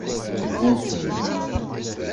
Wwint-ten.